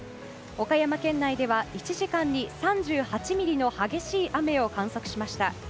岡山県内では１時間に３８ミリの激しい雨を観測しました。